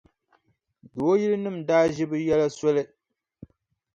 Dooyilinima daa ʒi bɛ yɛla soli.